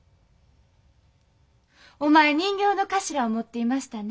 お前人形の頭を持っていましたね。